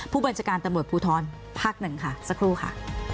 ผู้บรรจการตบปพูทรภาพแสดง๑ค่ะสักครู่ค่ะ